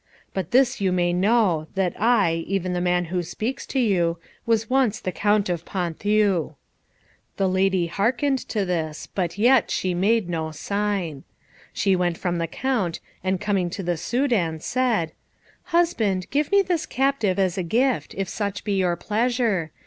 But this you may know, that I even the man who speaks to you was once the Count of Ponthieu." The lady hearkened to this, but yet she made no sign. She went from the Count, and coming to the Soudan, said, "Husband, give me this captive as a gift, if such be your pleasure.